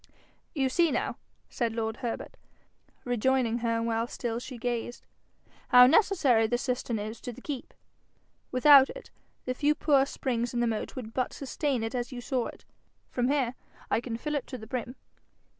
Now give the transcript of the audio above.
'You see now,' said lord Herbert, rejoining her while still she gazed, 'how necessary the cistern is to the keep? Without it, the few poor springs in the moat would but sustain it as you saw it. From here I can fill it to the brim.'